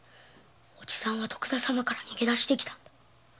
おじさんは徳田様から逃げ出してきたんだ！